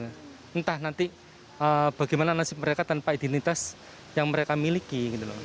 entah nanti bagaimana nasib mereka tanpa identitas yang mereka miliki